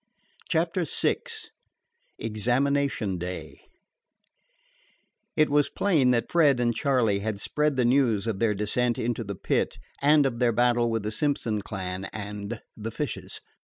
CHAPTER VI EXAMINATION DAY It was plain that Fred and Charley had spread the news of their descent into the Pit, and of their battle with the Simpson clan and the Fishes.